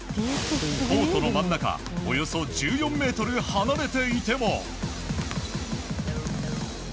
コートの真ん中およそ１４ｍ離れていても。